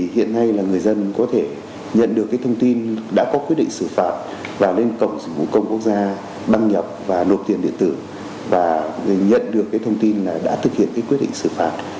hiện nay là người dân có thể nhận được thông tin đã có quyết định xử phạt và lên cổng dịch vụ công quốc gia đăng nhập và nộp tiền điện tử và nhận được thông tin là đã thực hiện quyết định xử phạt